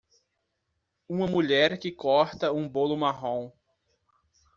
Uma mulher que corta um bolo marrom.